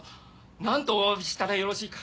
なんとお詫びしたらよろしいか。